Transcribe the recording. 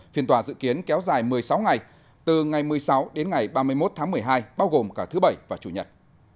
phiên tòa dự kiến kéo dài một mươi sáu ngày từ ngày một mươi sáu đến ngày ba mươi một tháng một mươi hai bao gồm cả thứ bảy và chủ nhật